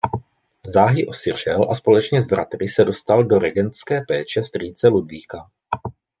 Záhy osiřel a společně s bratry se dostal do regentské péče strýce Ludvíka.